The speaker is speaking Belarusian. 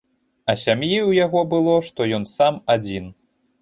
А сям'і ў яго і было, што ён сам, адзін.